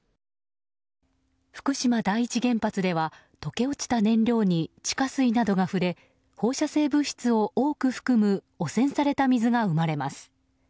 福島第一原発では溶け落ちた燃料に地下水などが触れ、放射性物質を多く含む汚染された水が生まれます。